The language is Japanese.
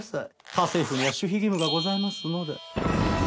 家政婦には守秘義務がございますので。